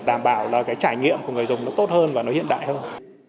đảm bảo là cái trải nghiệm của người dùng nó tốt hơn và nó hiện đại hơn